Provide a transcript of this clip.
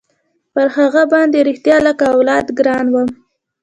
پر هغه باندې رښتيا لکه اولاد ګران وم.